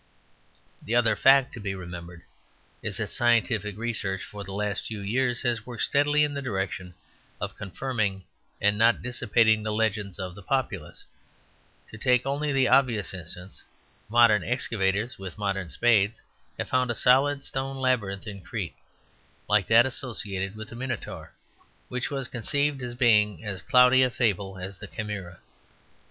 The other fact to be remembered is that scientific research for the last few years has worked steadily in the direction of confirming and not dissipating the legends of the populace. To take only the obvious instance, modern excavators with modern spades have found a solid stone labyrinth in Crete, like that associated with the Minataur, which was conceived as being as cloudy a fable as the Chimera.